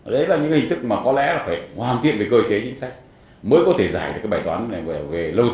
đấy là những hình thức mà có lẽ phải hoàn thiện với cơ chế chính sách mới có thể giải được bài toán này về lâu dài